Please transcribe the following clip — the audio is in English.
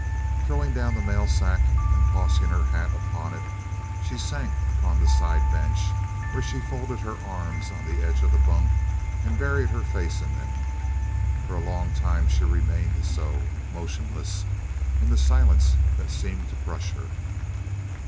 Throwing down the mail sack and tossing her hat upon it, she sank on the side bench where she folded her arms on the edge of the bunk and buried her face in them. For a long time she remained so, motionless, in the silence that seemed to crush her.